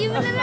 ini aku juga